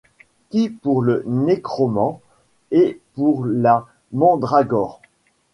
Qui pour le nécromant et pour la mandragore